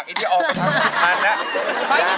อันนี้ออกไปทั้งสิบพันนะ